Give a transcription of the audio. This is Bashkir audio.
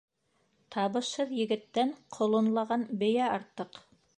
Табышһыҙ егеттән ҡолонлаған бейә артыҡ.